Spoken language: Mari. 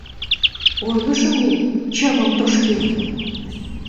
— Ойлышым вет, чывым тошкет!